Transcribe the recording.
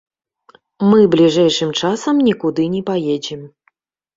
Мы бліжэйшым часам нікуды не паедзем.